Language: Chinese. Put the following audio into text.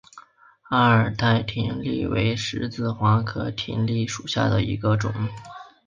阿尔泰葶苈为十字花科葶苈属下的一个种。